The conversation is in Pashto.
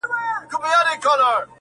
چي زما یادیږي دا قلاوي دا سمسور باغونه!!